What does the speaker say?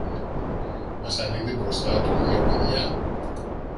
Μα σαν είδε μπροστά του δυο παιδιά